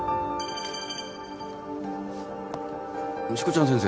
しこちゃん先生？